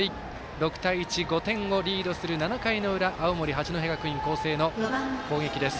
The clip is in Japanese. ６対１、５点をリードする八戸学院光星の攻撃です。